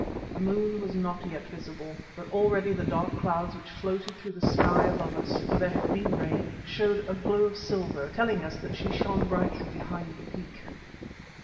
The moon was not yet visible, but already the dark clouds which floated through the sky above us—for there had been rain—showed a glow of silver, telling us that she shone brightly behind the peak.